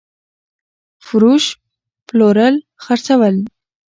فروش √ پلورل خرڅول